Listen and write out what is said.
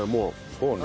そうね。